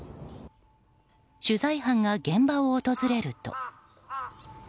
取材班が現場を訪れると。